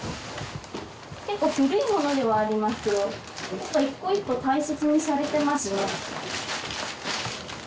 結構古いものではありますけどやっぱり一個一個大切にされてますね。